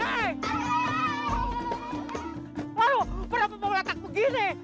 aduh kenapa mau meletakku gini